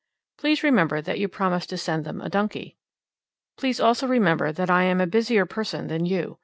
Please remember that you promised to send them a donkey. Please also remember that I'm a busier person than you.